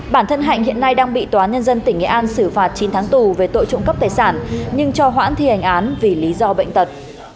bản thân hạnh hiện nay đang bị tòa nhân dân tỉnh nghệ an xử phạt chín tháng tù về tội trộm cắp tài sản nhưng cho hoãn thi hành án vì lý do bệnh tật